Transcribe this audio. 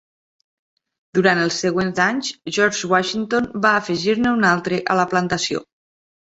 Durant els següents anys, George Washington va afegir-ne un altre a la plantació.